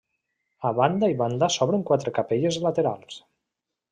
A banda i banda s'obren quatre capelles laterals.